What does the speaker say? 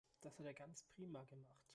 Das hat er ganz prima gemacht.